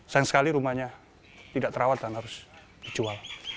sayang sekali rumahnya tidak terawat dan harus dijual